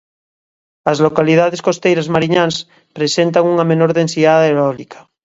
As localidades costeiras mariñás presentan unha menor densidade eólica.